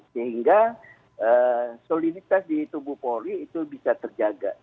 sehingga soliditas di tubuh polri itu bisa terjaga